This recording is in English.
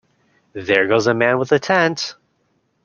There goes the man with the tent!